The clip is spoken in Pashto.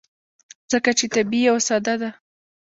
ځکه چې طبیعي او ساده ده.